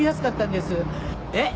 「えっ！？